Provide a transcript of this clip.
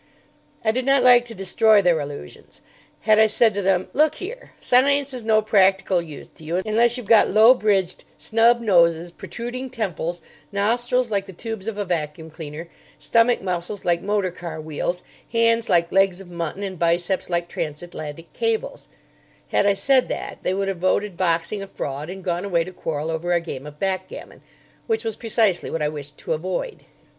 I did not like to destroy their illusions. Had I said to them, "Look here, science is no practical use to you unless you've got low bridged, snub noses, protruding temples, nostrils like the tubes of a vacuum cleaner, stomach muscles like motor car wheels, hands like legs of mutton, and biceps like transatlantic cables"—had I said that, they would have voted boxing a fraud, and gone away to quarrel over a game of backgammon, which was precisely what I wished to avoid.